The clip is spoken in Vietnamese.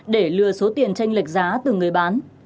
để lừa số tiền tranh lệch giá từ người bán